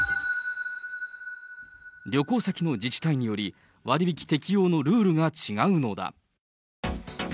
旅行先の自治体により、割引適用のルールが違うのだ。